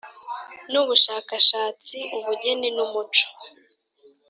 N Ubushakashatsi Ubugeni N Umuco